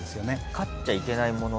飼っちゃいけないもの。